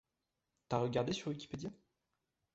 T'as regardé sur wikipedia ?